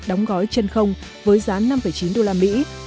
đóng gói chân không với giá năm chín usd